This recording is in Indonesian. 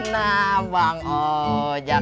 nah bang ojek